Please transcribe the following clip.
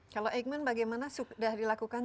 kalau eijkman bagaimana sudah dilakukan